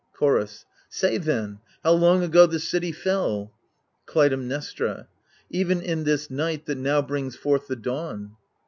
Chorus Say then, how long ago the city fell ? Clytemnestra Even in this night that now brings forth the dawn.